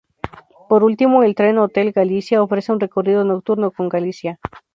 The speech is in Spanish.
Por último el Trenhotel "Galicia" ofrecen un recorrido nocturno con Galicia.